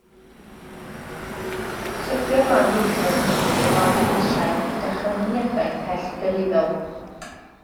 Syrthiodd mam feichiog Meilir i lawr y grisiau gyda chanlyniadau pellgyrhaeddol.